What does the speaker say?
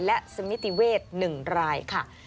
และสมิติเวช๑รายค่ะ